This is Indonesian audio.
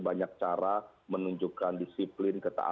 banyak cara menunjukkan disiplin